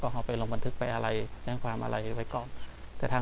กลับมาที่สุดท้ายและกลับมาที่สุดท้าย